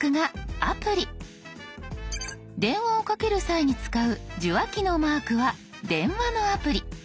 電話をかける際に使う受話器のマークは電話のアプリ。